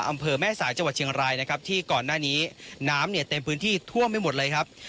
อำเภอแม่สายจังหวัดเชียงรายนะครับที่ก่อนหน้านี้น้ำเนี่ยเต็มพื้นที่ท่วมไม่หมดเลยครับ